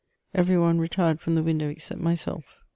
Every one retired from the window except myself.